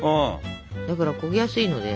だから焦げやすいので。